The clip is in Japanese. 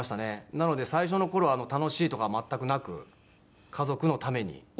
なので最初の頃は楽しいとかは全くなく家族のために。